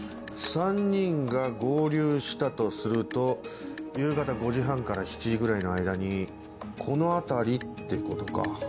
３人が合流したとすると夕方５時半から７時ぐらいの間にこの辺りってことか。